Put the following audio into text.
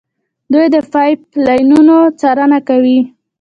دوی د پایپ لاینونو څارنه کوي.